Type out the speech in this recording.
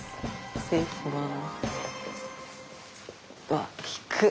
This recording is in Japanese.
失礼します。